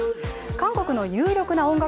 韓国の有力な音楽